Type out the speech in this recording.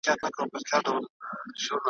له ګودر څخه مي رنګ د رنجو واخیست ,